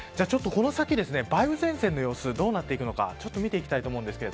この先、梅雨前線の様子どうなってくるのか見ていきたいと思います。